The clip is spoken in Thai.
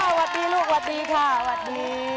วัดดีลูกวัดดีค่ะวัดดี